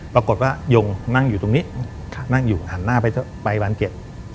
ยงนั่งอยู่ตรงนี้นั่งอยู่หันหน้าไปบานเก็ต